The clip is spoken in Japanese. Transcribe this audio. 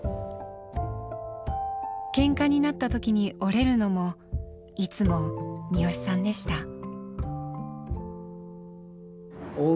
けんかになった時に折れるのもいつも視良さんでした。